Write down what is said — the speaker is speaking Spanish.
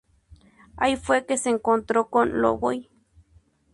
Ahí fue que se encontró con Lowe.